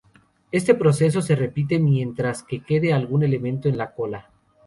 Este proceso se repite mientras que quede algún elemento en la cola.